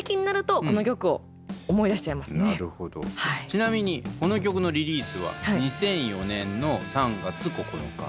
ちなみにこの曲のリリースは２００４年の３月９日。